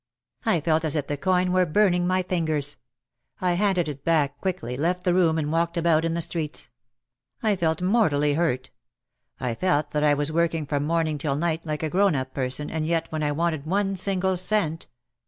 I felt as if the coin were burning my fingers. I handed it back quickly, left the room and walked about in the streets. I felt mortally hurt. I felt that I was working from morning till night like a grown up person and yet when I wanted one single cent